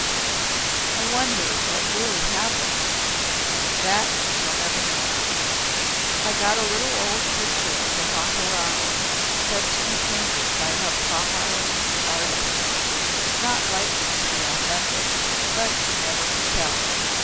"I wonder'. what really happened." "That we shall never know. I got a little old picture of the Maharao said to be painted by a Pahari artist. It's not likely to be authentic, but you never can tell.